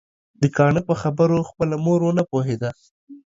د کاڼه په خبرو خپله مور ونه پوهيده